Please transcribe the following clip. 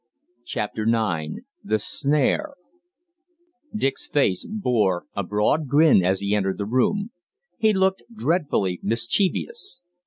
CHAPTER IX THE SNARE Dick's face bore a broad grin as he entered the room. He looked dreadfully mischievous.